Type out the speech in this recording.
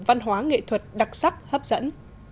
văn hóa nghệ thuật đặc sắc hấp dẫn